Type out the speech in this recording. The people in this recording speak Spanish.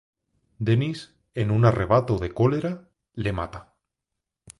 Dennis, en un arrebato de cólera, le mata.